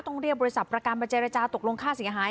ต้องเรียกบริษัทประกันมาเจรจาตกลงค่าเสียหาย